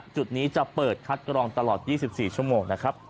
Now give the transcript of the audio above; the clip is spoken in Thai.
จุดนี้จะเปิดคัดกรองตลอด๒๔ชั่วโมงนะครับ